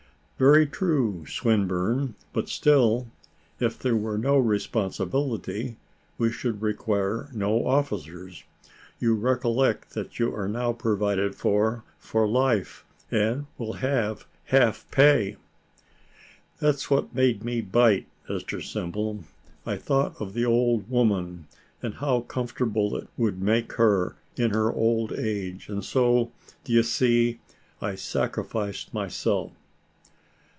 "Very true, Swinburne; but still, if there were no responsibility, we should require no officers. You recollect that you are now provided for for life, and will have half pay." "That's what made me bite, Mr Simple; I thought of the old woman, and how comfortable it would make her in her old age, and so, d'ye see, I sacrificed myself."